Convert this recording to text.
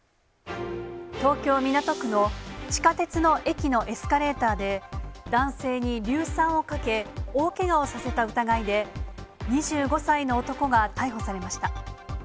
東京・港区の地下鉄の駅のエスカレーターで、男性に硫酸をかけ、大けがをさせた疑いで、２５歳の男が逮捕されました。